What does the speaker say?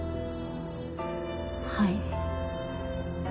はい。